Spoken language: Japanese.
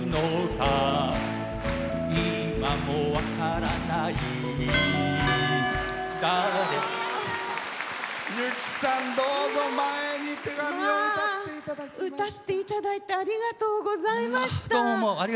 歌っていただいてありがとうございました。